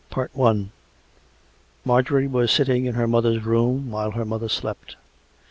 CHAPTER V Marjorie was sitting in her mother's room, while her mother slept.